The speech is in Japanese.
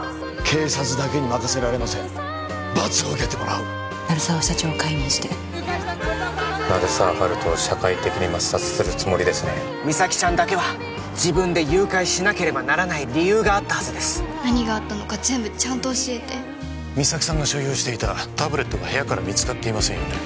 警察だけに任せられません罰を受けてもらう鳴沢社長を解任して鳴沢温人を社会的に抹殺するつもりですね実咲ちゃんだけは自分で誘拐しなければならない理由があったはずです何があったのか全部ちゃんと教えて実咲さんが所有していたタブレットが部屋から見つかっていませんよね